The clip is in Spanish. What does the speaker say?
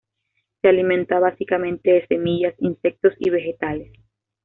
Se alimenta básicamente de semillas, insectos y vegetales.